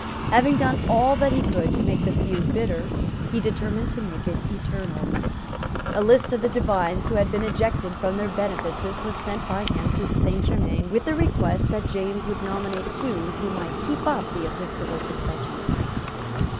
Having done all that he could to make the feud bitter, he determined to make it eternal. A list of the divines who had been ejected from their benefices was sent by him to Saint Germains with a request that James would nominate two who might keep up the episcopal succession.